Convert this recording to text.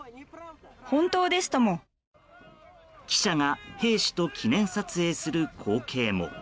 記者が兵士と記念撮影する光景も。